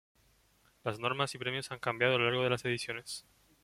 Las normas y premios han cambiado a lo largo de las ediciones.